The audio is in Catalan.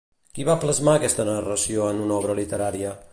Qui va plasmar aquesta narració en una obra literària?